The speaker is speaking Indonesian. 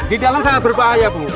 di dalam sangat berbahaya bu